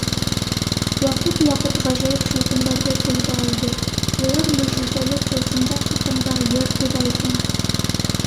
Ваҡыт-ваҡыт ғәжәйеп шайтандарҙы телгә алды, улар мөғжизәле тылсымдар хаҡында йыр һуҙа икән.